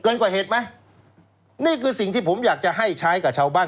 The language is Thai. กว่าเหตุไหมนี่คือสิ่งที่ผมอยากจะให้ใช้กับชาวบ้าน